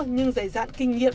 nhưng dày dạn kinh nghiệm